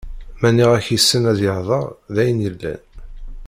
Ma nniɣ-ak yessen ad yehder, d ayen yellan.